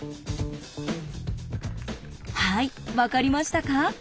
はい分かりましたか？